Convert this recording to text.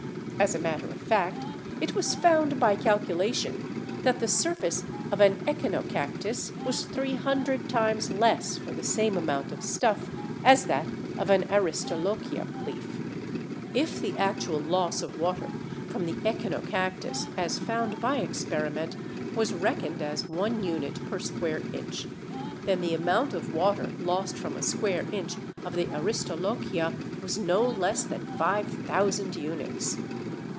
As a matter of fact, it was found by calculation that the surface of an Echinocactus was 300 times less for the same amount of stuff as that of an Aristolochia leaf. If the actual loss of water from the Echinocactus, as found by experiment, was reckoned as one unit per square inch, then the amount of water lost from a square inch of the Aristolochia was no less than 5000 units!